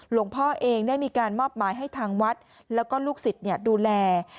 หลวงพ่อเองได้มีการมอบหมายให้ทางวัดแล้วก็ลูกศิษย์ดูแล